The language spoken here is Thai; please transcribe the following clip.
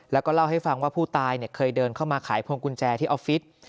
แล้วก็เล่าให้ฟังว่าผู้ตายเคยเดินเข้ามาขายพวงกุญแจที่ออฟฟิศ